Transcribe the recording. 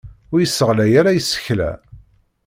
Ur isseɣlay ara isekla.